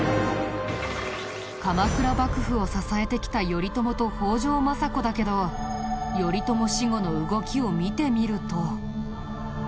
鎌倉幕府を支えてきた頼朝と北条政子だけど頼朝死後の動きを見てみると。